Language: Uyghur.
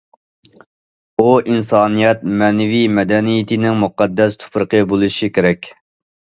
ئۇ، ئىنسانىيەت مەنىۋى مەدەنىيىتىنىڭ مۇقەددەس تۇپرىقى بولۇشى كېرەك.